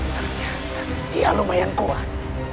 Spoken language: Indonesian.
ternyata dia lumayan kuat